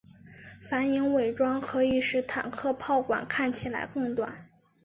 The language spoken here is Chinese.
反影伪装可以使坦克炮管看起来更短。